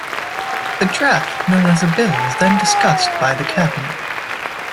The draft, known as a bill, is then discussed by the Cabinet.